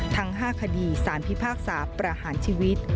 ทั้ง๕คดีสารพิพากษาประหารชีวิต